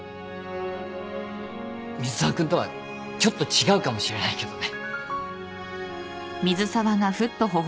水沢君とはちょっと違うかもしれないけどね。